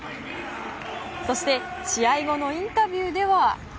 そして、試合後のインタビューでは。